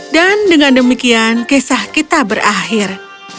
dan dengan demikian kisah kita berakhir